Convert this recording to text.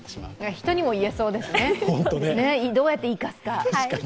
人にも言えそうですね、どうやって生かすか。